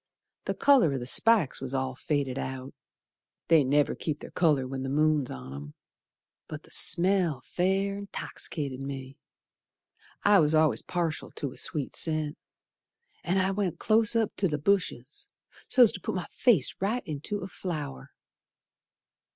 The colour o' the spikes was all faded out, They never keep their colour when the moon's on 'em, But the smell fair 'toxicated me. I was al'ays partial to a sweet scent, An' I went close up t' th' bushes So's to put my face right into a flower.